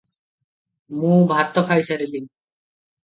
ମୁ ଭାତ ଖାଇସାରିଲି